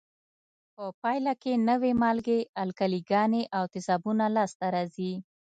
په پایله کې نوې مالګې، القلي ګانې او تیزابونه لاس ته راځي.